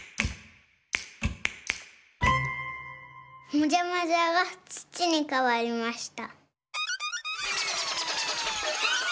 もじゃもじゃがつちにかわりました。